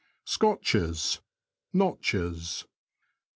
Scotches. — Notches.